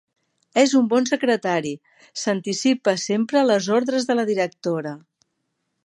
És un bon secretari: s'anticipa sempre a les ordres de la directora.